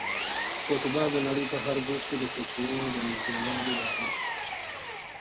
فوټبال د نړۍ په هر ګوټ کې د کلتورونو د نږدېوالي لامل کیږي.